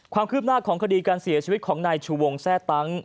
ความคืบหน้าของคดีการเสียชีวิตของนายชูวงแทร่ตั้ง